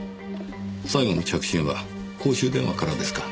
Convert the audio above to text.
最後の着信は公衆電話からですか。